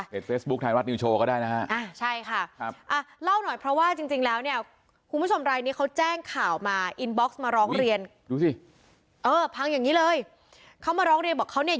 เจอเฟสบุ๊คไทยวัดนิวโชว์ก็ได้นะคะ